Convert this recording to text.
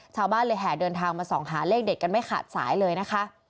ชาวบ้านเลยแห่เดินทางมาส่องหาเลขเด็ดกันไม่ขาดสายเลยนะคะ